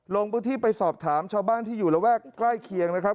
ลงพื้นที่ไปสอบถามชาวบ้านที่อยู่ระแวกใกล้เคียงนะครับ